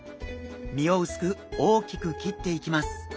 身を薄く大きく切っていきます。